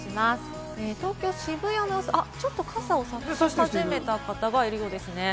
東京・渋谷の様子、傘を差し始めた方がいるようですね。